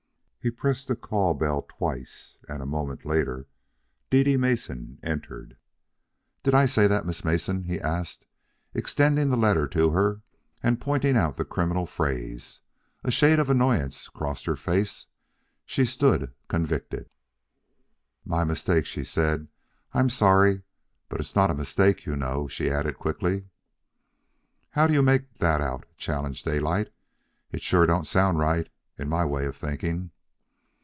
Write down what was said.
He pressed the call bell twice, and a moment later Dede Mason entered. "Did I say that, Miss Mason?" he asked, extending the letter to her and pointing out the criminal phrase. A shade of annoyance crossed her face. She stood convicted. "My mistake," she said. "I am sorry. But it's not a mistake, you know," she added quickly. "How do you make that out?" challenged Daylight. "It sure don't sound right, in my way of thinking."